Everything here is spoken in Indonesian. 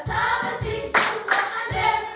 saya berharga untuk membuatnya